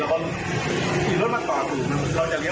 เราก็เลยสัตวิจัยเลี้ยวรถออก